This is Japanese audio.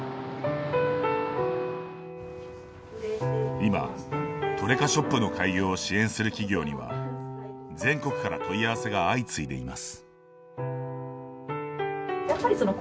今、トレカショップの開業を支援する企業には全国から問い合わせが相次いでいます。